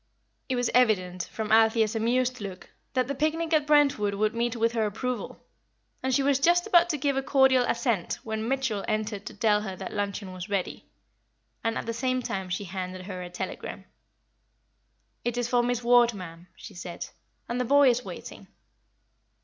It was evident, from Althea's amused look, that the picnic at Brentwood would meet with her approval, and she was just about to give a cordial assent when Mitchell entered to tell her that luncheon was ready; and at the same time she handed her a telegram. "It is for Miss Ward, ma'am," she said; "and the boy is waiting."